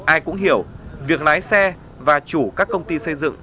ai cũng hiểu việc lái xe và chủ các công ty xây dựng